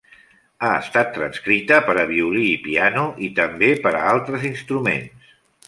Ha estat transcrita per a violí i piano i també per a altres instruments.